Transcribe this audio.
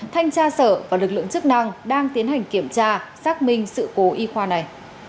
thanh tra sở và lực lượng chức năng đang tiến hành kiểm tra xác minh sự cố y khoa này